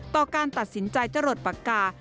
ต่อการตัดสินใจจรดปากกา